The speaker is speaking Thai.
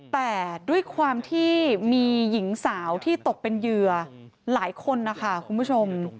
แต่ด้วยความที่มีหญิงสาวที่ตกเป็นเหยื่อหลายคนนะคะคุณผู้ชม